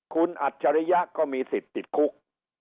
คุณอัจฉริยะก็มีสิทธิ์ติดคุก